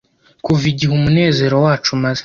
kuva igihe umunezero wacu umaze